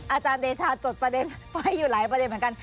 อาจารย์เดชาจดประเด็นไว้อยู่หลายประเด็นเหมือนกัน